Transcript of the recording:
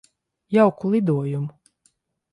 Jauku lidojumu.